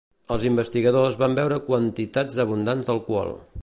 Els investigadors van beure quantitats abundants d"alcohol.